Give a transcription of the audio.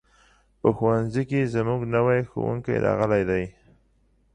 په ښوونځي کې زموږ نوی ښوونکی راغلی دی.